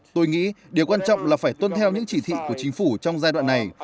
tôi nghĩ điều quan trọng là phải tuân theo những chỉ thị của chính phủ trong giai đoạn này